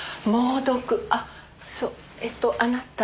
あっそうえっとあなた。